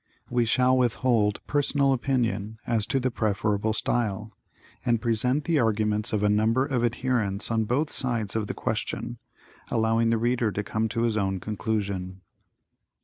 We shall withhold personal opinion as to the preferable style, and present the arguments of a number of adherents on both sides of the question, allowing the reader to come to his own conclusion.